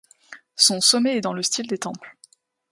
Son sommet est dans le style des temples.